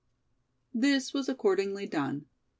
This was accordingly done.